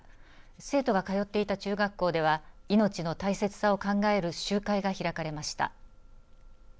生徒が通っていた中学校では命の大切さを考える集会が開かれました。